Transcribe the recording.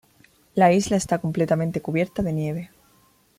La isla está completamente cubierta de nieve.